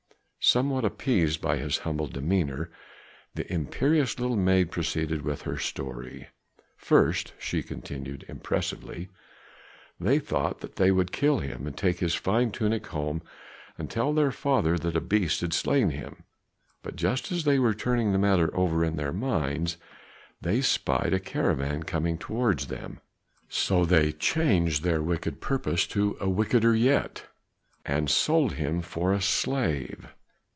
Somewhat appeased by his humble demeanor, the imperious little maid proceeded with her story. "First," she continued impressively, "they thought that they would kill him, and take his fine tunic home and tell their father that a beast had slain him, but just as they were turning the matter over in their minds they spied a caravan coming towards them, so they changed their wicked purpose to a wickeder yet, and sold him for a slave.